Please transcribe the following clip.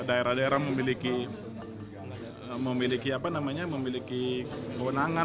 daerah daerah memiliki kewenangan